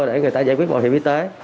để người ta giải quyết mọi việc y tế